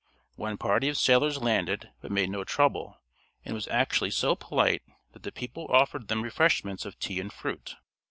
One party of sailors landed, but made no trouble, and was actually so polite that the people offered them refreshments of tea and fruit.